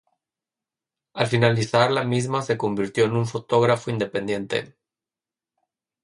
Al finalizar la misma se convirtió en un fotógrafo independiente.